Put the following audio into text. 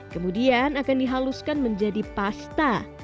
kemudian akan dihaluskan menjadi pasta